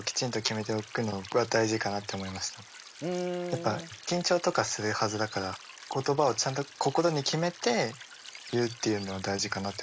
やっぱ緊張とかするはずだから言葉をちゃんとこころに決めて言うっていうのは大事かなって思いました。